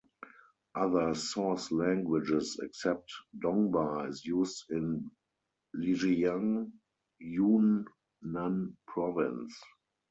Other source languages, except Dongba is used in Lijiang, Yun Nan province.